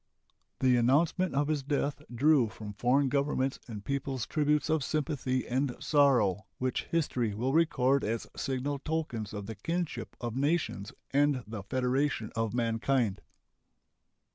The announcement of his death drew from foreign governments and peoples tributes of sympathy and sorrow which history will record as signal tokens of the kinship of nations and the federation of mankind.